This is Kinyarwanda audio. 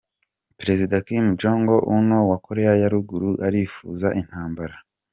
Perezida Kim Jong Un wa Koreya ya Ruguru arifuza intambara.